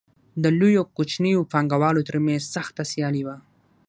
د لویو او کوچنیو پانګوالو ترمنځ سخته سیالي وه